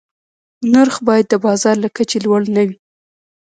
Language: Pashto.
نرخ باید د بازار له کچې لوړ نه وي.